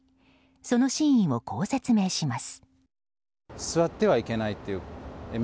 その真意を、こう説明します。